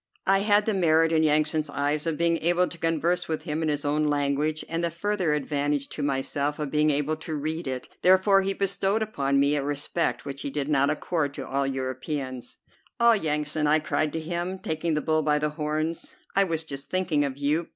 I had the merit in Yansan's eyes of being able to converse with him in his own language, and the further advantage to myself of being able to read it; therefore he bestowed upon me a respect which he did not accord to all Europeans. "Ah, Yansan!" I cried to him, taking the bull by the horns, "I was just thinking of you.